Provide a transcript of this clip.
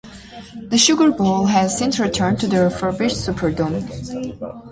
The Sugar Bowl has since returned to the refurbished Superdome.